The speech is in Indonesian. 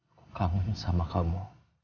aku kangen sama kamu